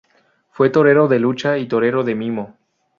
Fue torero de lucha y torero de mimo.